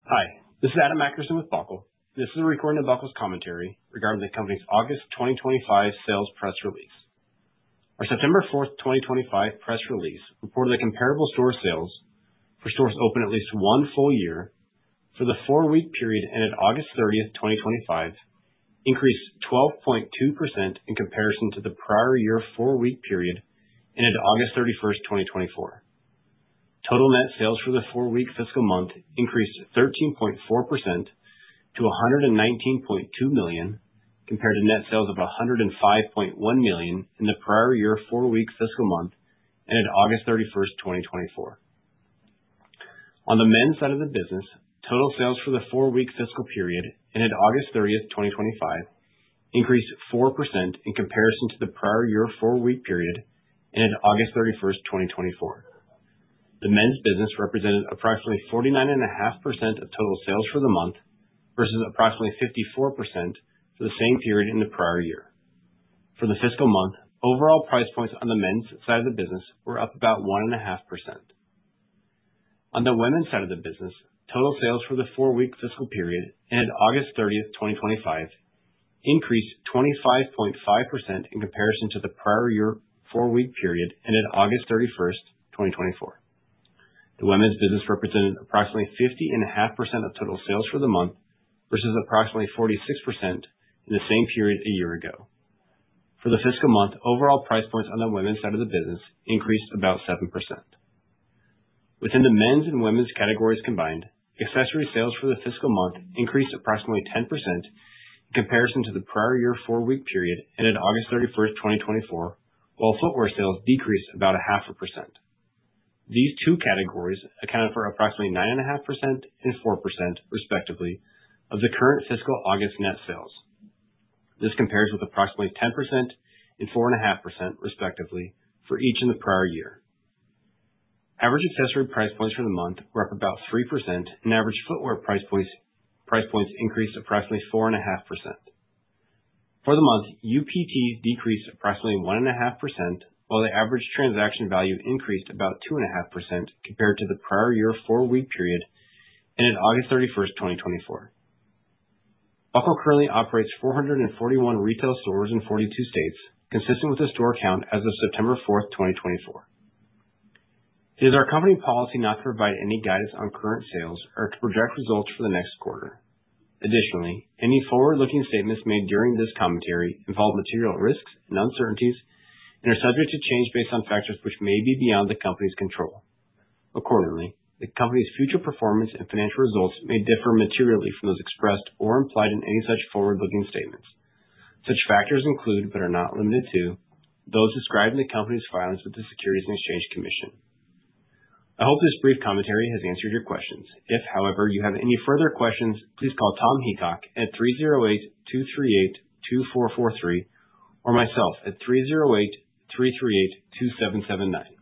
Hi, this is Adam Akerson with Buckle. This is a recording of Buckle's commentary regarding the company's August 2025 sales press release. Our September 4th, 2025 press release reported that comparable store sales for stores open at least one full year for the four-week period end August 30th, 2025 increased 12.2% in comparison to the prior year four-week period end August 31st, 2024. Total net sales for the four-week fiscal month increased 13.4% to $119.2 million, compared to net sales of $105.1 million in the prior year four-week fiscal month ended August thirty-first, twenty twenty-four. On the men's side of the business, total sales for the four-week fiscal period ended August 30th, 2025, increased 4% in comparison to the prior year four-week period end August 31st, 2024. The men's business represented approximately 49.5% of total sales for the month, versus approximately 54% for the same period in the prior year. For the fiscal month, overall price points on the men's side of the business were up about 1.5%. On the women's side of the business, total sales for the four-week fiscal period end August 30th, 2025, increased 25.5% in comparison to the prior year four-week period ended August thirty-first, 2024. The women's business represented approximately 50.5% of total sales for the month, versus approximately 46% in the same period a year ago. For the fiscal month, overall price points on the women's side of the business increased about 7%. Within the men's and women's categories combined, accessory sales for the fiscal month increased approximately 10% in comparison to the prior year four-week period ended August 31st, 2024, while footwear sales decreased about 0.5%. These two categories accounted for approximately 9.5% and 4%, respectively, of the current fiscal August net sales. This compares with approximately 10% and 4.5%, respectively, for each in the prior year. Average accessory price points for the month were up about 3% and average footwear price points increased approximately 4.5%. For the month, UPT decreased approximately 1.5%, while the average transaction value increased about 2.5% compared to the prior year four-week period ended August 31st, 2024. Buckle currently operates 441 retail stores in 42 states, consistent with the store count as of September 4th, 2024. It is our company policy not to provide any guidance on current sales or to project results for the next quarter. Additionally, any forward-looking statements made during this commentary involve material risks and uncertainties and are subject to change based on factors which may be beyond the company's control. Accordingly, the company's future performance and financial results may differ materially from those expressed or implied in any such forward-looking statements. Such factors include, but are not limited to, those described in the company's filings with the Securities and Exchange Commission. I hope this brief commentary has answered your questions. If, however, you have any further questions, please call Tom Heacock at 308-238-2443 or myself at